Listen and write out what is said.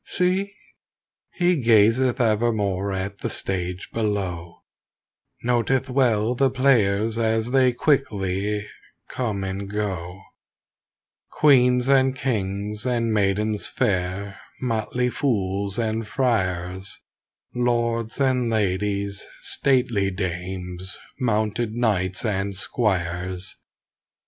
See! He gazeth evermore at the stage below; Noteth well the players as they quickly come and go; Queens and kings and maidens fair, motley fools and friars, Lords and ladies, stately dames, mounted knights and squires.